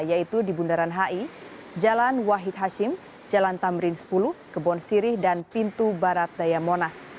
yaitu di bundaran hi jalan wahid hashim jalan tamrin sepuluh kebon sirih dan pintu barat daya monas